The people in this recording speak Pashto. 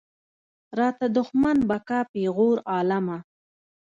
راته دښمن به کا پېغور عالمه.